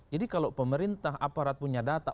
jadi kalau pemerintah aparat punya data